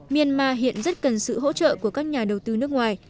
myanmar hiện rất cần sự hỗ trợ của các nhà đầu tư nước ngoài